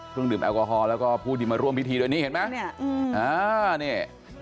พรุ่งดื่มแอลกอฮอล์แล้วก็ผู้ดินมาร่วมพิธีด้วยนี่เห็นไหมอืมอ่านี่